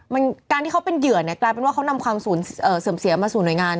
มันการที่เขาเป็นเหยื่อเนี่ยกลายเป็นว่าเขานำความเสื่อมเสียมาสู่หน่วยงาน